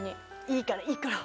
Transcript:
いいからいいから。